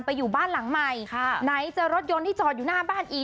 อยู่บ้านหลังใหม่ค่ะไหนจะรถยนต์ที่จอดอยู่หน้าบ้านอีก